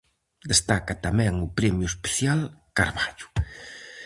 Destaca tamén o premio especial Carballo.